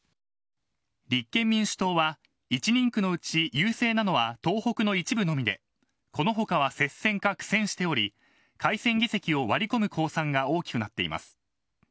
立憲民主党は１人区のうち優勢なのは東北の一部のみでこの他は接戦か苦戦しており改選議席を割り込む公算が大きくなっています。